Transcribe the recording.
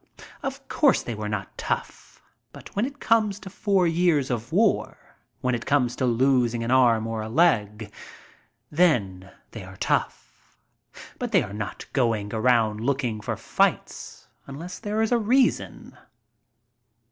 Of course they A MEMORABLE NIGHT IN LONDON 73 were not tough, but when it comes to four years of war, when it comes to losing an arm or a leg, then they are tough. But they are not going around looking for fights unless there is a reason.